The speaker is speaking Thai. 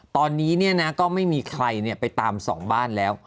ตอนนี้ก็ไม่มีใครไปตามสองบ้านแล้ว